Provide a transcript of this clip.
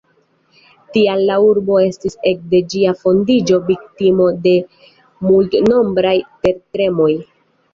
Tial la urbo estis ek de ĝia fondiĝo viktimo de multnombraj tertremoj.